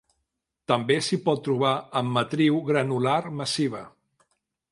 També s'hi pot trobar en matriu granular massiva.